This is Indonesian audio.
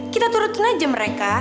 kita turutin aja mereka